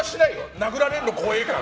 殴られるの怖いから。